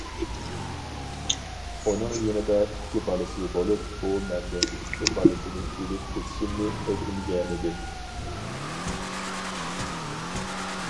ئۇنىڭ يېنىدا ئىككى بالىسى بولۇپ، ئۇ مەندىن ئىككى بالىسىنى ئېلىپ كېتىشىمنى ئۆتۈنگەنىدى.